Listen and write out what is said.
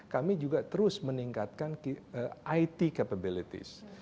kami juga terus meningkatkan it capabilities